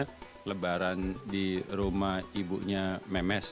kita lebaran di rumah ibunya memes